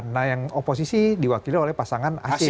nah yang oposisi diwakili oleh pasangan asing